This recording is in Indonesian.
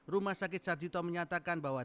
rumah sakit sarjito menyatakan bahwa